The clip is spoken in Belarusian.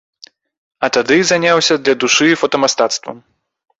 А тады заняўся для душы фотамастацтвам!